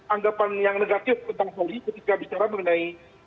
anggapan yang negatif tentang polri ketika bicara mengenai